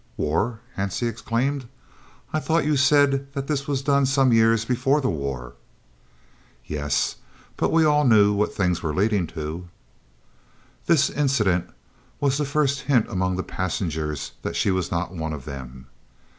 "War?" Hansie exclaimed "I thought you said that this was done some years before the war." "Yes, but we all knew what things were leading to!" This incident was the first hint among the passengers that she was not one of them.